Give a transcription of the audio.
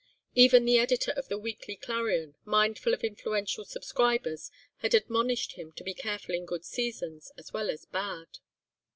Even the editor of the Weekly Clarion, mindful of influential subscribers, had admonished him to be careful in good seasons, as well as bad.